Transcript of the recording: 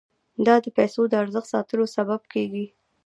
دا د پیسو د ارزښت ساتلو سبب کیږي.